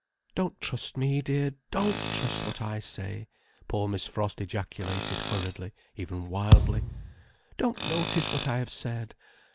"Don't trust me, dear, don't trust what I say," poor Miss Frost ejaculated hurriedly, even wildly. "Don't notice what I have said.